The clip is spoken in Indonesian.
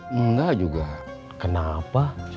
memang adik gue tak pernah kaya